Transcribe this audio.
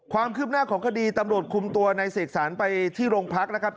ความคืบหน้าของคดีตำรวจคุมตัวในเสกสรรไปที่โรงพักนะครับ